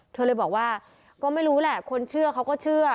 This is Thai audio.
เธอเลยบอกว่าก็ไม่รู้แหละคนเชื่อเขาก็เชื่อ